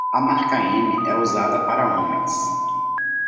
A marca M é usada para homens.